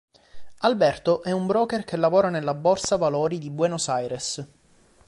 Alberto è un broker che lavora nella Borsa valori di Buenos Aires.